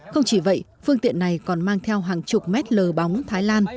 không chỉ vậy phương tiện này còn mang theo hàng chục mét lờ bóng thái lan